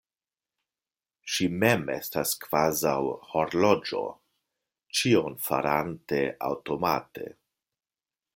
Ŝi mem estas kvazaŭ horloĝo, ĉion farante aŭtomate.